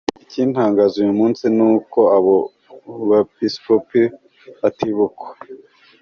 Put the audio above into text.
Ikintangaza uyu munsi ni uko abo bepiskopi batibukwa.